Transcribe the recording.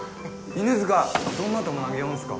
犬塚どんな球投げよんすか？